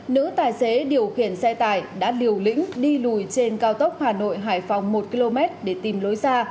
nữ tài xế điều khiển xe tải đã liều lĩnh đi lùi trên cao tốc hà nội hải phòng một km để tìm lối ra